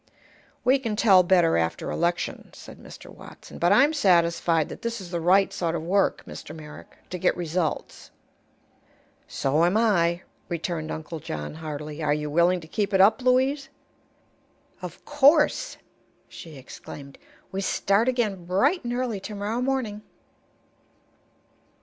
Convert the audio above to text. "We can tell better after election," said Mr. Watson. "But I'm satisfied that this is the right sort of work, Mr. Merrick, to get results." "So am I," returned Uncle John heartily. "Are you willing to keep it up, Louise?" "Of course!" she exclaimed. "We start again bright and early tomorrow morning."